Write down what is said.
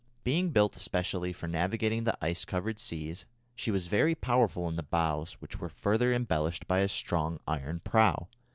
Being built specially for navigating the ice covered seas, she was very powerful in the bows, which were further embellished by a strong iron prow.